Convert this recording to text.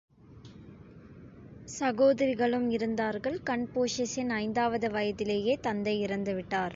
சகோதரிகளும் இருந்தார்கள், கன்பூஷிஸின் ஐந்தாவது வயதிலேயே தந்தை இறந்து விட்டார்.